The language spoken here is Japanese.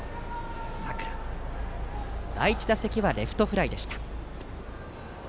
佐倉の第１打席はレフトフライでした。